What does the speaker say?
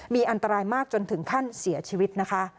มีอันตรายมากจนถึงขั้นเสียชีวิตนะคะ